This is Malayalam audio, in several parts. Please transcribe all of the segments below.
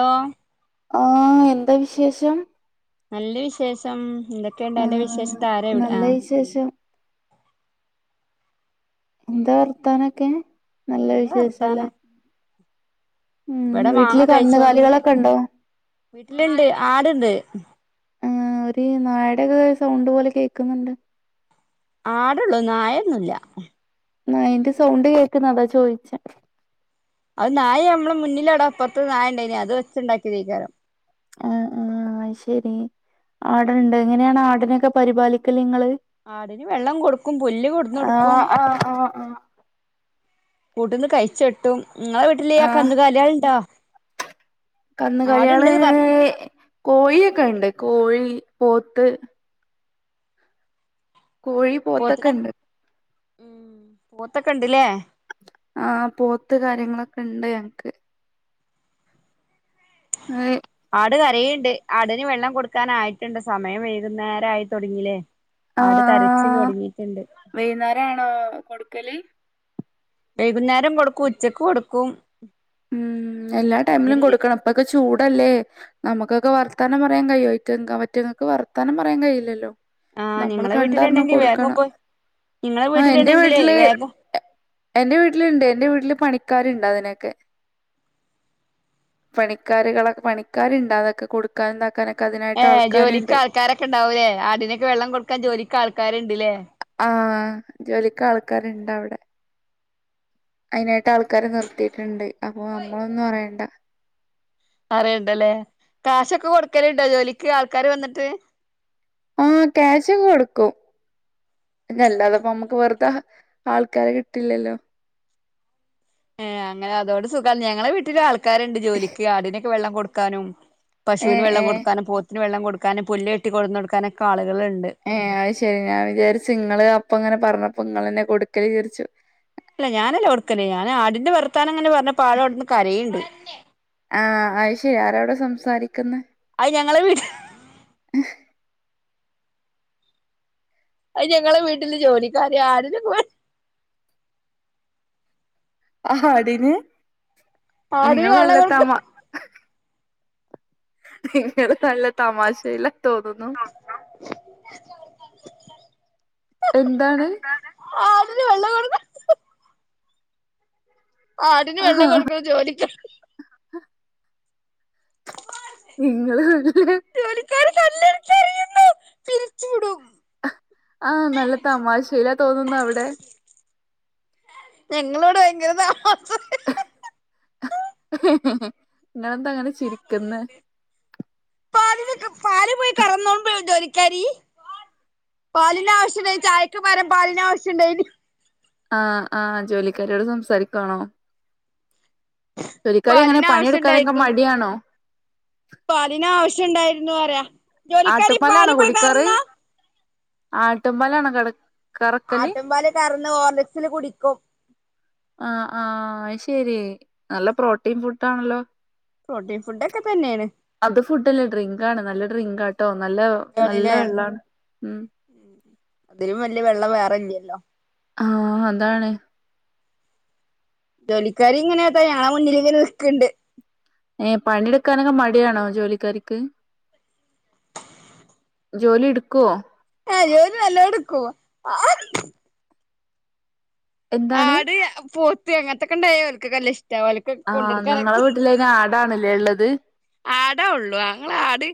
ഹലോ ആഹ് എന്താ വിശേഷം നല്ല വിശേഷം എന്തൊക്കെണ്ട് ആ അന്റെ വിശേഷം ഇതാര എവിടെ നല്ല ആ വിശേഷം എന്താ വർത്താനൊക്കെ നല്ല വിശേഷല്ലെ ഇവിടെ വീട്ടില് മാങ്ങ കഴിച്ചോണ്ട് ഇങ്ങന് കന്നുകാലികളൊക്കെ ഉണ്ടോ വീട്ടില്ണ്ട് ഇണ്ട് ആട്ണ്ട് ആ ഒരു നായെടെക്കേ സൗണ്ട് പോലെ കേൾക്കുന്നുണ്ട് ആട്ള്ളു നായൊന്നുല്ല നായിന്റെ സൗണ്ട് കേൾക്കുന്ന അതാ ചോയിച്ചേ അത് നായ ഞമ്മളി മുന്നിൽ ആടെ അപ്പുറത്ത് നായ ഇണ്ടേനി അത് ഒച്ചണ്ടാക്കിയിതേക്കാരം ആഹ് ആഹ് അത്‌ ശെരി ആട്ണ്ട് എങ്ങനെയാണ് ആടിനൊക്കെ പരിപാലിക്കല് ഇങ്ങള് ആടിന് വെള്ളം കൊടുക്കും പുല്ല് കൊടുന്നൊടുക്കും ആ ആ ആ കൂട്ടന്ന് കഴിച്ച് കെട്ടും നിങ്ങള് വീട്ടിൽ ആ കന്നുകാലികളുണ്ടോ കന്നുകാല്യാൾ ആടുണ്ടെന്ന് പറ കോഴിയൊക്കെ ഉണ്ട് കോഴി പോത്ത് കോഴി പോത്തൊക്കെ പോത്തിനെ ഉണ്ട് ഉം പോത്തൊക്കെ ഇണ്ട്ലെ ആ പോത്ത് കാര്യങ്ങളൊക്കെ ഇണ്ട് ഞങ്ങക്ക് അയി ആട് കരയ്ണ്ട് ആടിന് വെള്ളം കൊടുക്കാൻ ആയിട്ടുണ്ട് സമയം വൈകുന്നേരായി തോടങ്ങില്ലേ ആട് തരിച്ച് തൊടങ്ങിയിട്ടുണ്ട് വൈന്നാരം ആണോ കൊടുക്കല് വൈകുന്നേരം കൊടുക്കും ഉച്ചക്ക് കൊടുക്കും ഉം എല്ലാ ടൈമിലും അതിന്റെടേല് കൊടുക്കണം ഇപ്പൊക്കെ ചൂടല്ലേ നമുക്കൊക്കെ വർത്താനം പറയാൻ കഴിയോ ഏറ്റ അവറ്റങ്ങക്ക് വർത്താനം പറയാൻ കഴയില്ലല്ലോ ആഹ് നമ്മൾ നിങ്ങളെ കണ്ടറിഞ്ഞ് വീട്ടിലുണ്ടെങ്കി വേഗം കൊടുക്കണം പോയി നിങ്ങളെ ആഹ എന്റെ വീട്ടിലുണ്ടെങ്കിലേ വീട്ടില് വേഗം എന്റെ വീട്ടിലുണ്ട് എന്റെ വീട്ടില് പണിക്കാരുണ്ട് അതിനൊക്കെ പണിക്കാരുകളൊക്കെ പണിക്കാരുണ്ട് അതൊക്കെ കൊടുക്കാനും ഇതാക്കാനൊക്കെ അതിനായിട്ട് ഏഹ് ജോലിക്ക് ആൾക്കാരുണ്ട് ആൾക്കാരൊക്കെ ഇണ്ടാവുല്ലേ ആടിനൊക്കെ വെള്ളം കൊട്ക്കാൻ ജോലിക്ക് ആൾക്കാര്ണ്ടല്ലേ ആഹ ജോലിക്ക് ആൾക്കാരുണ്ട് അവിടെ അയിനായിട്ട് ആൾക്കാരെ നിർത്തിയിട്ട്ണ്ട് അപ്പൊ നമ്മളൊന്നും അറിയണ്ട അറിയണ്ടല്ലേ കാശൊക്കെ കൊടുക്കല് ഇണ്ടോ ജോലിക്ക് ആൾക്കാര് വന്നിട്ട് ആഹ് ക്യാഷ് ഒക്കെ കൊടുക്കും അല്ലാതപ്പ നമ്മുക്ക് വെറുതെ ആൾക്കാരെ കിട്ടില്ലല്ലോ ഏഹ് അങ്ങനെ അതോണ്ട് സുഖം ഞങ്ങളെ വീട്ടില് ആൾക്കാരുണ്ട് ജോലിക്ക് ആടിനൊക്കെ വെള്ളം കൊടുക്കാനും ഏ പശുവിന് വെള്ളം ഏ കൊടുക്കാനും പോത്തിന് വെള്ളം കൊടുക്കാനും പുല്ല് വെട്ടി കൊടുന്ന്ടുക്കാനൊക്കെ ആള്കള്ണ്ട് ഏഹ അത് ശരി ഞാൻ വിചാരിച്ചു ഇങ്ങള് അപ്പ ഇങ്ങനെ പറഞ്ഞപ്പോ ഇങ്ങളെന്നെ കൊടുക്കല് വിചാരിച്ചു അല്ല ഞാനല്ല കൊടുക്കൽ ഞാന് ആടിന്റെ വർത്താനം ഇങ്ങനെ പറഞ്ഞപ്പോ ആടവിടുന്ന് കരയ്ണ്ട് ആഹ അയ്ശെരി ആരവിടെ സംസാരിക്കുന്നേ അത് ഞങ്ങളെ വീട് അത് ഞങ്ങളെ വീട്ടില് ജോലിക്കാര് ആടിനെ ആടിന് നിങ്ങൾ ആടിന് വെള്ളം നല്ല കൊടുക്ക തമാ നിങ്ങള് നല്ല തമാശയിലാ തോന്നുന്നു [inaudible] എന്താണ്? [unintelligible] ആടിന് ആഹാ വെള്ളം കൊടുക്ക്ണ ജോലിക്ക് നിങ്ങള് വരല്ലെ ജോലിക്കാര് കല്ലെടുത്തറിയുന്നു പിരിച്ചു വിടും ആഹ് നല്ല തമാശേലെ തോന്നുന്നു അവിടെ? ഞങ്ങളവ്ടെ ഭയങ്കര തമാശറിയാ ഇങ്ങളെന്താ ഇങ്ങനെ ചിരിക്ക്ന്നെ? പാല് ലൊക്കെ പാല് പോയി കറന്നോടീ ജോലിക്കാരി. പാലിന് ആവശ്യണ്ടായിനി ചായക്ക് പരാൻ പാലിന് ആവശ്യണ്ടായീനി ആഹ് ആഹ് ജോലിക്കാരിയോട് സംസാരിക്കുവാണോ? ജോലിക്കരി എങ്ങനെ പാലിന് പണിയെടുക്കാനൊക്കെ ആവശ്യണ്ടായിരുന്നു മടിയാണോ? പാലിന് ആവിശ്യം ഇണ്ടായിരുന്നു പറയാ ജോലിക്കാരി ആട്ടുംപാലാണോ പാല് പോയി കറന്നോ ആട്ടും പാലാണോ കറ ആട്ടും പാല് കറന്ന് ഓർലിക്സില് കുടിക്കും. ആഹ് ആഹ് അഹ് ശരി നല്ല പ്രോട്ടീൻ ഫുഡാണല്ലോ? പ്രോട്ടീൻ ഫുഡൊക്കെ തന്നെയാണ് അത് ഫുഡല്ല ഡ്രിങ്ക് ആണ് നല്ല ഡ്രിങ്കാട്ടോ നല്ല നല്ല ണല്ലേ വെള്ളാണ്. ഉം അതിലും വല്ല്യ വെള്ളം വേറെല്ല്യല്ലോ ആഹ് അതാണ്. ജോലിക്കാരി ഇങ്ങനെ ദേ ഞങ്ങളെ മുന്നിലിങ്ങനെ നിക്ക്ണ്ട്. ഏഹേ പണിയെടുക്കാനൊക്കെ മടിയണോ ജോലിക്കാരിക്ക്? ജോലി ഇടുക്കോ? ഏഹ് ജോലി നല്ലോ ഇടുക്കും. എന്താണ് ആട്, പോത്ത്, അങ്ങനത്തൊക്കെ ഇണ്ടായ ഓൽക്കക്കെ നല്ല ഇഷ്ട്ട ആഹ് നിങ്ങളെ വീട്ടിലയ്ന് ആടാണ്ല്ലേ ഇള്ളത്? ആടാ ഒള്ളൂ അങ്ങള് ആട്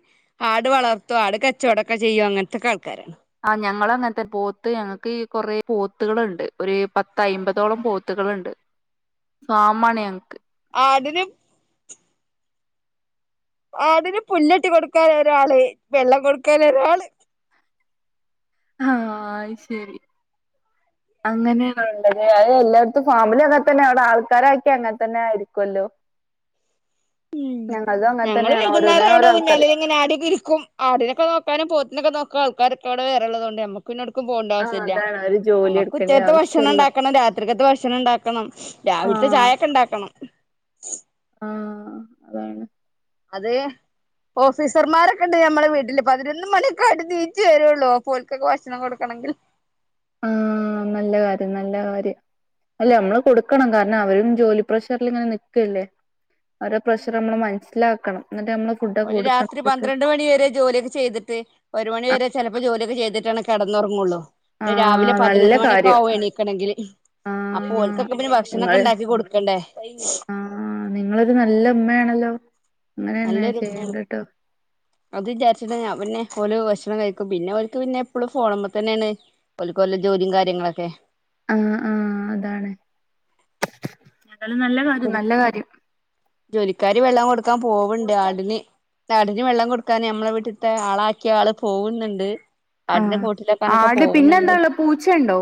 ആട് വളർത്തും ആട് കച്ചവടൊക്കെ ചെയ്യും അങ്ങനത്തൊക്കെ ആൾക്കാര ആഹ് ഞങ്ങളങ്ങനത്തെ പോത്ത് ഞങ്ങക്ക് കൊറേ പോത്തുകളുണ്ട് ഒരു പത്തയ്മ്പതോളം പോത്ത് കള്ണ്ട് ഫാമാണ് ഞങ്ങക്ക് ആടിന് ആടിന് പുല്ല് വെട്ടി കൊടുക്കാന് ഒരാള് വെള്ളം കൊടുക്കാന് ഒരാള് ആഹ് ഐ ശരി അങ്ങനേണോ ഇള്ളത് അത് എല്ലായിടത്തും ഫാമിലി അങ്ങെനെത്തന്നെ അവിടെ ആൾക്കാരാക്കി അങ്ങെനെത്തന്നെയായിരിക്കുമല്ലോ ഉം അങ്ങനെ ഞങ്ങള് തന്നെയാണ് വൈകുന്നേരം ഓരോന്നിനും ഓരോ അവിടെ ആൾക്കാര് ഊഞ്ഞാലേലിങ്ങനെ ആടിയൊക്കെയിരിക്കും ആടിനൊക്കെ നോക്കാനും പോത്തിനൊക്കെ നോക്കാനും ആൾക്കാരൊക്കെ അവിടെ വേറെള്ളത് കൊണ്ട് നമ്മക്ക് പിന്നെ ഒടുക്കും പോണ്ട ആ ആവിശ്യല്ല അതാണ് ഒരു ജോലി നമ്മക്ക് എടുക്കേണ്ട ഉച്ചത്തെ ഭക്ഷണം ആവശ്യമില്ല ഇണ്ടാക്കണം രാത് ത്രികത്തെ ഭക്ഷണം ഇണ്ടാക്കണം ആ രാവിലത്തെ ചായക്കെ ഇണ്ടാക്കണം ആഹ് അതാണ് അതെ ഓഫീസർമാരൊക്കെ ഇണ്ട് ഞമ്മളെ വീട്ടില് പതിനൊന്ന് മണിയൊക്കെ ആയിട്ട് നീച്ച് വെരൊള്ളൂ അപ്പൊ ഓല്ക്കൊക്കെ ഭക്ഷണം കൊടുക്കണെങ്കിൽ ആഹ് നല്ല കാര്യം നല്ല കാര്യം അല്ല നമ്മള് കൊടുക്കണം കാരണം അവരും ജോലി പ്രഷറിലിങ്ങനെ നിക്കല്ലേ? അവരെ പ്രഷറ് നമ്മള് മനസ്സിലാക്കണം എന്നിട്ട് നമ്മള് ഫുഡൊക്കെ ഓല് കൊടുക്കണം രാത്രി അവർക്ക് പന്ത്രണ്ട് മണിവരെ ജോലിയൊക്കെ ചെയ്തി ഒരു മണി വരെ ചെലപ്പോ ജോലിയൊക്ക ചെയ്തിട്ടാണ് കെടന്നൊറങ്ങോള്ളൂ ആ രാവിലെ നല്ല പതിനൊന്ന് മണിയൊക്ക കാര്യം ആവും എണീക്കണെങ്കില് ആ അപ്പോ ഓൽക്കൊക്ക പിന്നെ ഭക്ഷണക്കെ നിങ്ങൾ ഇണ്ടാക്കി കൊടുക്കണ്ടേ ആ നിങ്ങളൊരു നല്ല ഇമ്മെണല്ലോ നല്ലൊരുമ്മെണ് അത് വിചാരിച്ചിട്ട ഞാൻ പിന്നെ ഓല് ഭക്ഷണം കഴിക്കും പിന്നെ ഓൽക്ക് പിന്നെ എപ്പളും ഫോണ് മ്മ തന്നെണ് ഓൽക്ക് ഓലെ ജോലിം കാര്യങ്ങളൊക്കെ ആ ആ അതാണ് ഏതാലും നല്ല കാര്യം നല്ല കാര്യം ജോലിക്കാരി വെള്ളം കൊടുക്കാം പോവ്ണ്ട് ആടിന് ആട്ന് വെള്ളം കൊടുക്കാന് നമ്മളെ വീട്ടിത്തെ ആളാക്കിയ ആള് പോവ്ന്ന്ണ്ട് ആട്നെ ആഹ് കൂട്ട്ലാക്കാനൊക്ക ആട് പോവ്ണ് പിന്നെ എന്താ ണ്ട് ഉള്ളെ പൂച്ചയുണ്ടോ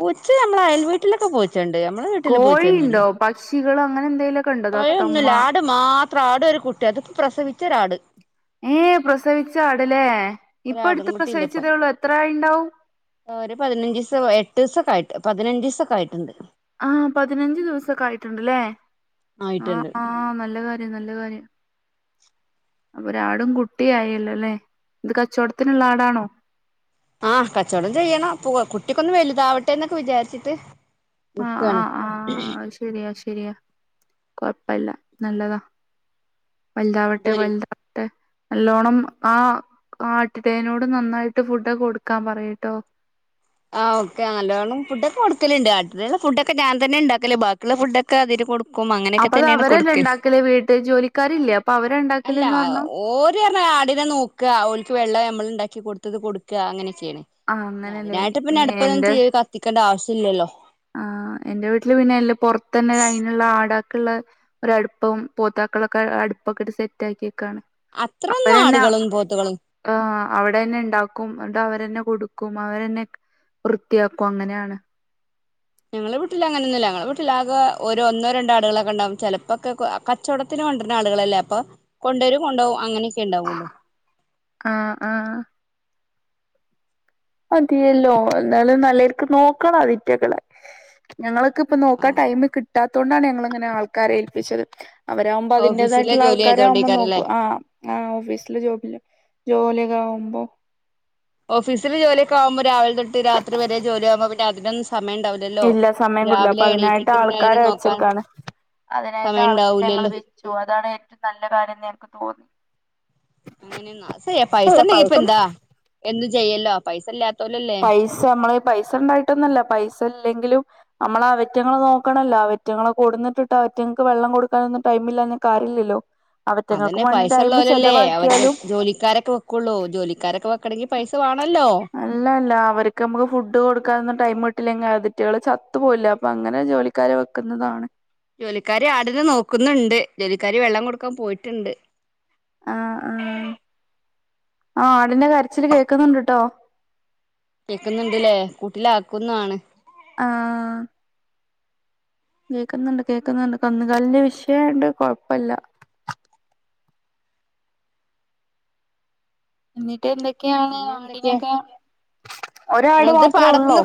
പൂച്ച നമ്മള അയൽ വീട്ടിലൊക്ക പൂച്ചണ്ട് ഞമ്മളെ വീട്ടില് പൂച്ചയൊന്നുല്ല പക്ഷികള് അങ്ങനെ എന്തേലോക്ക ഇണ്ടോ തത്തമ്മ കോഴൊന്നുല്ല ആട് മാത്രം ആട് ഒരു കുട്ടി അതിപ്പോ പ്രസവിച്ച ഒരാട് ഏ പ്രസവിച്ച ആട് ലെ ഇപ്പ ഒരാടും അട്ത്ത് കുട്ടിണ്ട് ഇപ്പം പ്രസവിച്ചതേ ഒള്ളൂ എത്ര ആയിണ്ടാവും ഒരു പതിനഞ്ചിസം എട്ട്സൊക്ക ആയിട്ട് പതിനഞ്ചിസൊക്ക ആയിട്ടുണ്ട് ആ പതിനഞ്ച് ദിവസക്ക ആയിട്ടുണ്ട് ലെ ആ ആയിട്ടുണ്ട് ആ നല്ല കാര്യം നല്ല കാര്യം അപ്പൊ ഒരാടും കുട്ടി ആയല്ലോ ലെ ഇത് കച്ചോട്ത്തിന്ള്ള ആടാണോ ആ കച്ചോടം ചെയ്യണം കു കുട്ടിക്കൊന്ന് വൽതാവട്ടെ ന്നൊക്കെ വിചാരിച്ചിട്ട് ആ ആ നിക്കാണ് ആ അത് ശരിയാ അത് ശരിയാ കൊഴപ്പല്ല നല്ലതാ വൽതാവട്ടെ ജോലി വൽതാവട്ടെ നല്ലോണം ആ ആട്ടിടയനോട് നന്നായിട്ട് ഫുഡൊക്കെ കൊടുക്കാം പറയ്‌ട്ടോ ആ ഒക്കെ നല്ലോണം ഫുഡൊക്കെ കൊട്ക്കല്ണ്ട് ആടിന്ള്ള ഫുഡക്കെ ഞാൻ തന്നെ ഇണ്ടാക്കല് ബാക്കിള്ള ഫുഡക്കെ അതിന് കൊടു ക്കും അങ്ങനെക്കെ അപ്പൊ അത് തന്നെണ് അവരല്ലേ കൊടുക്കല് ഉണ്ടാക്കല് വീട്ട് ജോലിക്കാരില്ലേ അപ്പൊ അവര അല്ല ഉണ്ടാക്കല്ന്ന് പറഞ്ഞു ഓ ല് പർഞ്ഞ ആടിനെ നോക്ക ഓൽക്ക് വെള്ളം നമ്മള് ഇണ്ടാക്കി കൊട്ത്തത് കൊട്ക്ക അങ്ങനെ ചെയ്യ്ണെ ആ അങ്ങ അതിനായിട്ട് പിന്നെ അട്പ്പിലൊന്നും തീയ്‌ കത്തിക്കണ്ട ആവശ്യല്ലല്ലോ ആ എന്റെ വീട്ടില് പിന്നെ എല്ലും പൊർത്തന്നെ അയിന്ള്ള ആടെക്ക്ള്ള ഒര അട്പ്പും പോത്തെക്ക്ള്ളക്ക അട്പ്പൊക്കെ ഇട്ട് സെറ്റ ആക്കിക്കാണ് അത്രൊന്നും അപ്പരന്ന ആടുകളും പോത്തുകളും ആ അവടന്നെ ഇണ്ടാക്കും ന്നട്ട് അവരന്നെ കൊട്ക്കും അവരെന്നെ വൃത്തിയാക്കും അങ്ങനാണ് ഞങ്ങളെ വീട്ടില് അങ്ങനൊന്നുല്ല ഞങ്ങള വീട്ട്ല് ആകോ ഒരു ഒന്നോ രണ്ടോ ആട്കളൊക്കെ ഇണ്ടാവും ചെലപ്പൊക്കെ കച്ചോടത്തിന് കൊണ്ടര്ണ ആട്കളല്ലെ അപ്പോ കൊണ്ടരും കൊണ്ടോവും അങ്ങനെക്കെ ഇണ്ടാവോള്ളൂ ആ ആ മതിയല്ലോ എന്നാലും നല്ലെൽക്ക് നോക്കണം അതിറ്റകളെ ഞങ്ങള് ക്ക് ഇപ്പ നോക്കാൻ ആ ടൈമ് കിട്ടാത്തോണ്ടാണ് ഞങ്ങള് ഇങ്ങനെ ആൾക്കാരെ ഏൽപ്പിച്ചത് അവരവുമ്പ ഓഫീസിലെ അതിന്റേതായിട്ടുള്ള ജോലി ആൾക്കാരാവുമ്പ ആയതുകൊണ്ടേക്കാരല്ലേ നോക്കും ആ ആ ഓഫീസില് ജോബില് ജോലിയൊക്ക ആവുമ്പോ ഓഫീസില് ജോലി ഒക്ക ആവുമ്പ രാവിലെ തൊട്ട് രാത്രി വരെ ജോലി ആവുമ്പം പിന്നെ അതിനൊന്നും സമയം ഇണ്ടാ ഇല്ല സമയം കിട്ടൂല അപ്പോ അതിനായിട്ട് അതിനെ ആൾക്കാരെ നോക്കാൻ വെച്ചക്കാണ് അതിനായിട്ട് സമയം ആൾക്കാരെ ഞങ്ങള് ഉണ്ടാവൂലല്ലോ വെ ച്ചു അതാണ് ഏറ്റവും നല്ല കാര്യംന്ന് ഞങ്ങക്ക് തോന്നി അങ്ങനെന്നൊ അത് സെ അല്ല പൈസണ്ടങ്കി ഇപ്പ പൈസ എന്താ എന്തും ചെയ്യല്ലോ പൈസ ഇല്ലാ പൈസ നമ്മള് പൈസ ഇണ്ടായിട്ടൊന്നല്ല പൈസ ഇല്ലെങ്കിലും നമ്മള് അവറ്റങ്ങളെ നോക്കണല്ലോ അവറ്റങ്ങളെ കൊടുന്നിട്ടിട്ട് അവറ്റങ്ങൾക്ക് വെള്ളം കൊടുക്കാനും ഒന്നും. ടൈമില്ലാഞ് കാര്യല്ലല്ലോ അവറ്റങ്ങൾക്കും അതന്നെ വേണ്ടി പൈസ ടൈം ഇള്ളോലല്ലെ അവര് ചെലവാക്കിയാലും ജോലിക്കാരൊക്ക വെ ക്കൊള്ളൂ ജോലിക്കാരൊക്കെ വെക്കണങ്കിൽ പൈസ വേണല്ലോ അല്ലല്ല അവർക്ക് നമുക്ക് ഫുഡ് കൊടുക്കാനൊന്നും ടൈമ് കിട്ടിയില്ലെങ്കിൽ അതിറ്റള് ചത്തു പോവില്ലെ അപ്പോ അങ്ങനെ ജോലി ക്കാരെ വെക്കുന്നതാണ് ജോലിക്കാർ ആട്നെ നോക്കുന്നുണ്ട് ജോലിക്കാർ വെള്ളം കൊടുക്കാൻ പോയിട്ടുണ്ട് ആഹ് ആഹ് ആ ആടിന്റെ കരച്ചില് കേക്കുന്നുണ്ട് ട്ടോ കേൾക്കുന്നുണ്ടില്ലെ കൂട്ടിലാക്കുന്നാണ് ആഹ് കേൾക്കുന്നുണ്ട് കേൾക്കുന്നുണ്ട് കന്ന് കാലിന്റെ വിഷയായോണ്ട് കുഴപ്പല്ല എന്നിട്ട് എന്തൊക്കെയാണ് പിന്നെ എന്തൊക്കെയാ ആടിനൊക്കെ ഒരാട് നിങ്ങളത് മാത്രേ ഉള്ളോ പാടത്തുന്ന്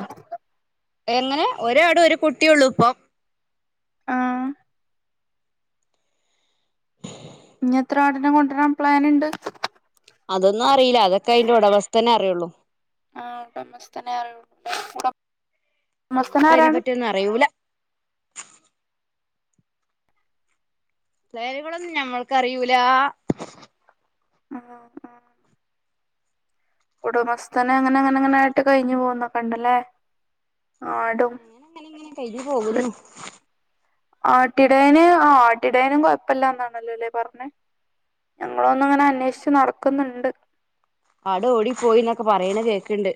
എങ്ങനെ ഒരാട് ഒരു കുട്ടിയുള്ളൂ ഇപ്പോ ആഹ് ഇനി എത്ര ആടിനെ കൊണ്ടുവരാൻ പ്ലാൻ ഇണ്ട് അതൊന്നും അറിയില്ല അതൊക്കെ അയിന്റെ ഉടമസ്ഥനെ അറിയുള്ളൂ ആഹ് ഉടമസ്ഥനെ അറിയുള്ളൂ ഇക്ക് അയിനെ പറ്റിയൊന്നും അറിയൂല വേലുകളൊന്നും ഞമ്മൾക്ക് അറിയൂല ആഹ് ഉടമസ്ഥനെ അങ്ങനെ അങ്ങനെങ്ങനെ ആയിട്ട് കഴിഞ്ഞു പോവുന്നൊക്കെ ഉണ്ടല്ലെ ആടും [unintelligible] കഴിഞ്ഞ് പോകുന്നു ആട്ടിടയന് ആ ആട്ടിടേയനും കൊഴപ്പില്ലന്നാണല്ലല്ലെ പറഞ്ഞെ ഞങ്ങളൊന്ന് അങ്ങനെ അന്വേഷിച്ച് നടക്കുന്നുണ്ട് ആട് ഓടിപ്പോയിന്നൊക്കെ പറയണ് കേക്ക്ണ്ട്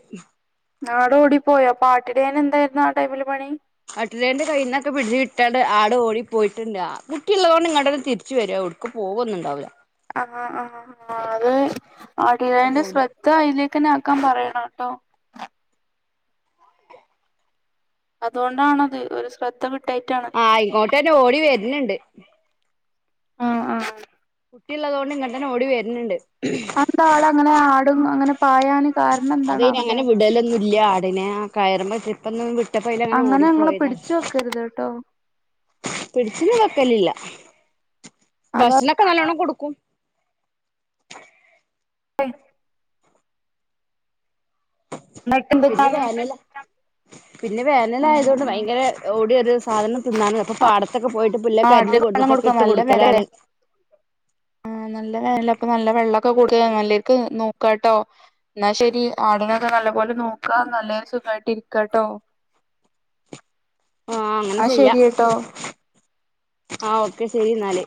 ആട് ഓടി പോയോ അപ്പോ ആട്ടിടയന് എന്തായിരുന്നു ആ ടൈമില് പണി ആട്ടിടയന്റെ കയ്യിൽന്നൊക്കെ പിടിച്ച് കിട്ടാണ്ട് ആട് ഓടി പോയിട്ടില്ല കുട്ടിയുള്ളത് കൊണ്ട് ഇങ്ങ്ട്ടന്നെ തിരിച്ച് വരാന്ന് തോന്നുന്നു ക്കും പോവുന്നൊണ്ടാവില്ല ആഹ് ആഹ് ആഹ് അത് അത് ആടിടയന്റെ പോവൂല ശ്രദ്ധ ദ്ധ അയ്ലേക്കന്നെ ആക്കാൻ പറയണം ട്ടോ അതുകൊണ്ടാണത് ഒരു ശ്രദ്ധ കിട്ടായ്നിട്ടാണ് ആഹ് ഇങ്ങോട്ട് തന്നെ ഓടി വര്ന്ന്ണ്ട് ആഹ് ആഹ് കുട്ടി ഇള്ളത് കൊണ്ട് ഇങ്ങോട്ടന്നെ ഓടി വരുന്നുണ്ട് അതെന്താവടെ ആടും അങ്ങനെ അങ്ങനെ പായാന് കാരണം എന്താണാവോ അല്ലെ ഇടലൊന്നും ഇല്ല ആടിനെ ആ കയറുമ്പോ ഇന്ന്‌ വിട്ടപ്പോ അയ്ലെ അങ്ങനെ ഓടിപ്പോയതാ ക്കരുത്ട്ടോ പിടിച്ച് ഒന്നും വെക്കലില്ല ആഹ് ഭക്ഷണൊക്കെ നല്ലോണം കൊടുക്കും അയ് പിന്നെ [inaudible] വേനലാ പിന്നെ വേനലായത് കൊണ്ട് ഭയങ്കര ഓടിയൊ ഒരു സാധനം തിന്നാണ് അപ്പൊ പാടത്തൊക്കെ പോയിട്ട് പുല്ലൊ ആട്ടിനെക്ക വെള്ളം കൊടുക്കണം നല്ല വെയിലല്ലേ ആ നല്ല വേനല്ല അപ്പൊ നല്ല വെള്ളൊക്കെ നല്ല കൊടുക്ക വേദനയല്ലേ നല്ലർക്ക് നോക്കാട്ടോ എന്നാ ശരി ആടിനൊക്കെ നല്ല പോലെ നോക്കാ നല്ല സുഖായിട്ട് ഇരിക്കിട്ടോ ആഹ് അങ്ങനെ എന്നാ ചെയ്യാ ശരിട്ടോ ആഹ് ഓക്കെ ശരി എന്നാല്